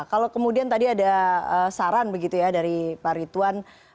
kalau kemudian tadi ada saran begitu ya dari pak ridwan